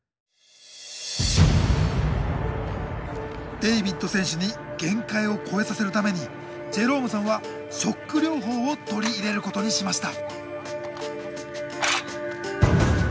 デイビッド選手に限界を超えさせるためにジェロームさんはショック療法を取り入れることにしました。